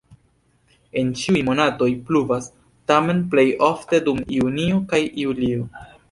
En ĉiuj monatoj pluvas, tamen plej ofte dum junio kaj julio.